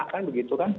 kan begitu kan